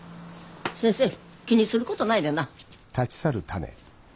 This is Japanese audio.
先生気にすることないでな。